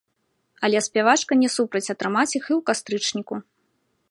Але спявачка не супраць атрымаць іх і ў кастрычніку.